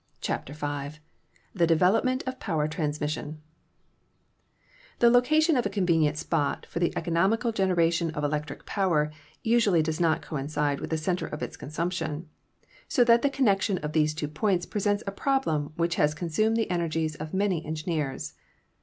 CHAPTER V THE DEVELOPMENT OF POWER TRANSMISSION The location of a convenient spot for the economical generation of electric power usually does not coincide with the center of its consumption, so that the connection of these two points presents a problem which has consumed the energies of many engineers.